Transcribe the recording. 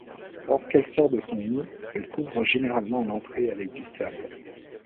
Lorsqu'elle sort de son nid, elle couvre généralement l'entrée avec du sable.